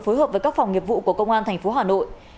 phối hợp với các phòng nghiệp vụ của công an tp hà nội